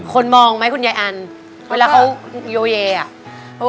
คนมองไหมคุณยายอันเวลาเขาโยเยอ่ะ